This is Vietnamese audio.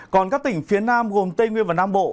còn các tỉnh phía nam gồm tây nguyên và nam bộ